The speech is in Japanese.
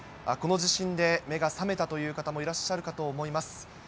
この地震で、目が覚めたという方もいらっしゃるかと思います。